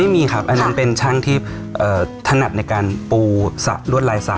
ไม่มีครับอันนั้นเป็นช่างที่ถนัดในการปูสระลวดลายสระ